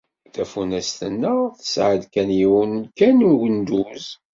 Tafunast-nneɣ tesɛa-d yiwen kan n ugenduz.